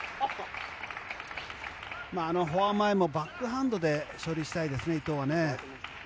フォア前もバックハンドで処理したいですね、伊藤は。